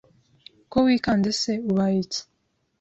Ko wikanze se ubaye iki